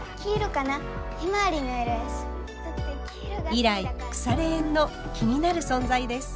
以来くされ縁の気になる存在です。